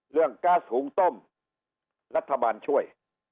เรื่องก๊าซหุ่งต้มรัฐบาลช่วย